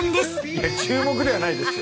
いや注目ではないです。